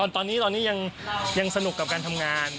ตอนนี้ยังสนุกกับการทำงาน